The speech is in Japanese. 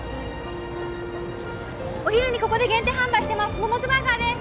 お昼にここで限定販売してます